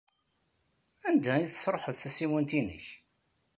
Anda ay tesṛuḥeḍ tasiwant-nnek?